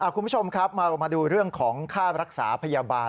คุณผู้ชมครับเรามาดูเรื่องของค่ารักษาพยาบาล